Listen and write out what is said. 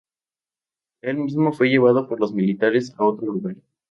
Él mismo fue llevado por los militares a otro lugar.